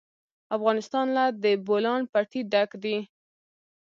افغانستان له د بولان پټي ډک دی.